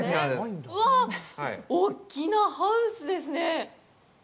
うわあ、おっきなハウスですね。